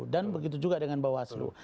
dan begitu juga dengan bawaslu